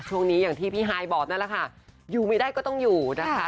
ช่วงนี้อย่างที่พี่ฮายบอกนั่นแหละค่ะอยู่ไม่ได้ก็ต้องอยู่นะคะ